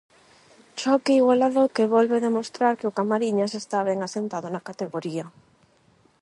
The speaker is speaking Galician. Choque igualado que volve demostrar que o Camariñas está ben asentado na categoría.